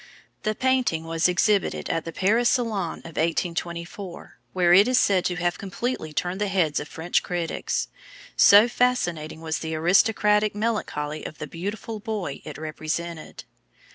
The painting was exhibited at the Paris Salon of 1824, where it is said to have completely turned the heads of French critics, so fascinating was the aristocratic melancholy of the beautiful boy it represented.